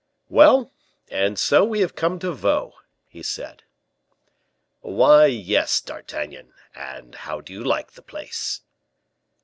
"Well, and so we have come to Vaux," he said. "Why, yes, D'Artagnan. And how do you like the place?"